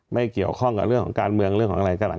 ไม่เกี่ยวข้องกับเรื่องของการเมืองเรื่องของอะไรก็หลัง